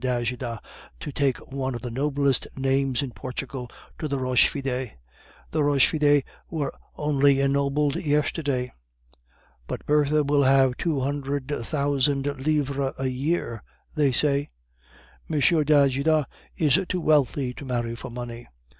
d'Ajuda to take one of the noblest names in Portugal to the Rochefides? The Rochefides were only ennobled yesterday." "But Bertha will have two hundred thousand livres a year, they say." "M. d'Ajuda is too wealthy to marry for money."